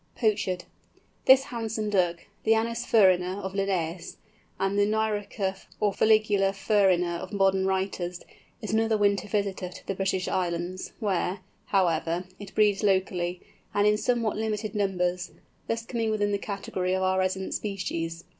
POCHARD. This handsome Duck, the Anas ferina of Linnæus, and the Nyroca or Fuligula ferina of modern writers, is another winter visitor to the British Islands, where, however, it breeds locally, and in somewhat limited numbers, thus coming within the category of our resident species.